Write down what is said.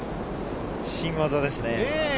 新技ですね。